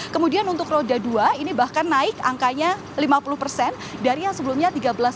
kemudian untuk roda dua ini bahkan naik angkanya lima puluh dari yang sebelumnya tiga belas satu ratus empat puluh enam